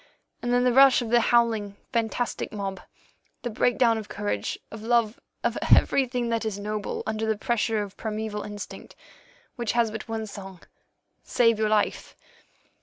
And then the rush of the howling, fantastic mob, the breakdown of courage, of love, of everything that is noble under the pressure of primæval instinct, which has but one song—Save your life.